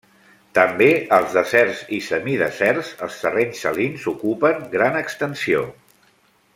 També als deserts i semideserts els terrenys salins ocupen gran extensió.